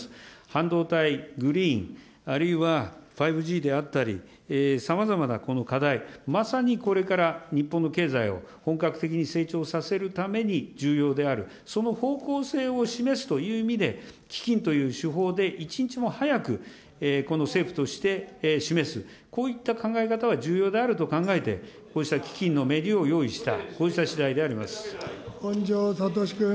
半導体、グリーン、あるいは５Ｇであったり、さまざまなこの課題、まさにこれから日本の経済を本格的に成長させるために重要である、その方向性を示すという意味で、基金という手法で一日も早く、この政府として示す、こういった考え方は重要であると考えて、こうした基金のを用意した。